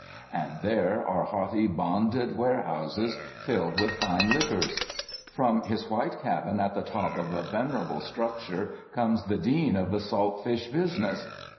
And there are haughty bonded warehouses filled with fine liquors. From his white cabin at the top of a venerable structure comes the dean of the saltfish business.